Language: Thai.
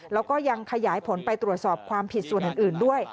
แล้วก็ยังขยายผลไปตรวจสอบความผิดส่วนอื่นด้วย